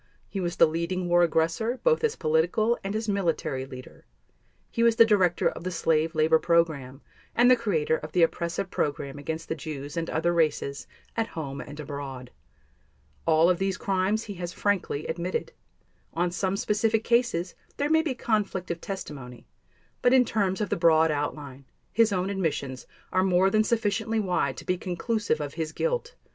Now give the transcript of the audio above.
He was the leading war aggressor, both as political and as military leader; he was the director of the slave labor program and the creator of the oppressive program against the Jews and other races, at home and abroad. All of these crimes he has frankly admitted. On some specific cases there may be conflict of testimony but in terms of the broad outline, his own admissions are more than sufficiently wide to be conclusive of his guilt.